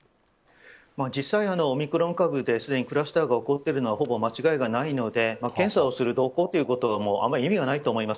実際、オミクロン株ですでにクラスターが起こってるのはほぼ間違いないなので検査どうこうはもうあまり意味がないと思います。